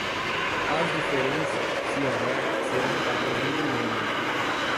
As diferenças, se houver, serão pagas em dinheiro.